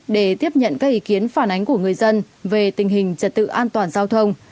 để tiếp nhận các ý kiến phản ánh của người dân về tình hình trật tự an toàn giao thông